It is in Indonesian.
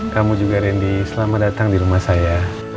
kamu juga randy selamat datang di rumah saya